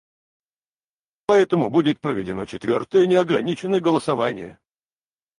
Поэтому будет проведено четвертое неограниченное голосование.